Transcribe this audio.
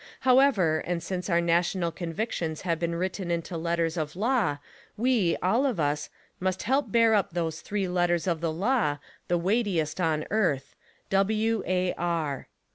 However, and since our national convictions have been writ ten into letters of law we, all of us, must help bear up those three letters of the law — the weightiest on earth: W A R.